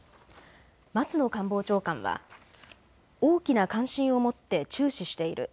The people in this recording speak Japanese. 松野官房長官は、大きな関心を持って注視している。